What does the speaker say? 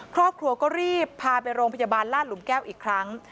ครอบครัวก็รีบพาไปโรงพยาบาลลาดหลุมแก้วอีกครั้ง